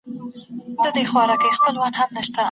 دا بل مخ واوړي